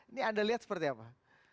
ini anda lihat seperti apa